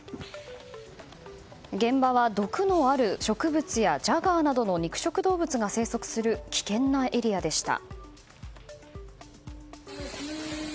現場は毒のある植物やジャガーなどの肉食動物が生息する危険なエリアでした。